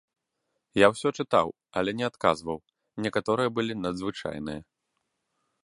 Я ўсё чытаў, але не адказваў, некаторыя былі надзвычайныя.